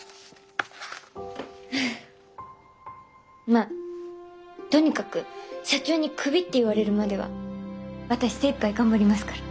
まあとにかく社長にクビって言われるまでは私精いっぱい頑張りますから。